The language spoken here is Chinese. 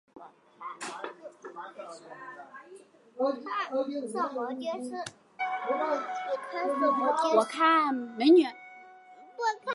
这一任职是司法院副院长洪寿南向院长黄少谷推荐的结果。